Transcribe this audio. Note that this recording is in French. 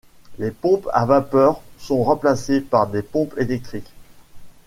Les pompes à vapeur sont remplacées par des pompes électriques.